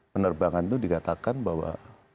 penerbangan itu dikatakan bahwa